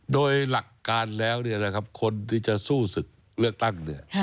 โดยหลักการแล้วคนที่จะสู้ศึกเลือกตั้งเนี่ย